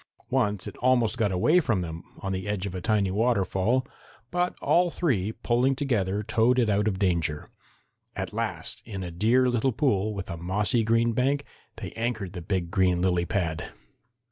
Once it almost got away from them, on the edge of a tiny waterfall, but all three pulling together towed it out of danger. At last, in a dear little pool with a mossy green bank, they anchored the big green lily pad.